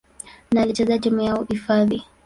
na alichezea timu yao hifadhi.